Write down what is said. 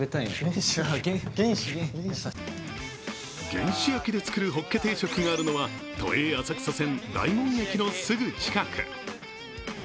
原始焼きで作るほっけ定食があるのは都営浅草線・大門駅のすぐ近く。